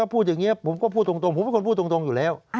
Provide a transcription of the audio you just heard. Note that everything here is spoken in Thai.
พูดอย่างนี้ผมก็พูดตรงอยู่แล้ว